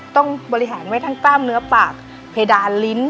ต้องบริหารไว้ทั้งกล้ามเนื้อปากเพดานลิ้น